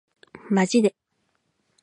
マジで